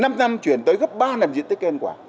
năm năm chuyển tới gấp ba năm diện tích khen quả